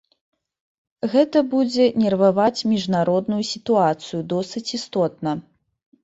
Гэта будзе нерваваць міжнародную сітуацыю досыць істотна.